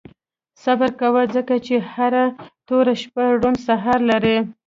• صبر کوه، ځکه چې هره توره شپه روڼ سهار لري.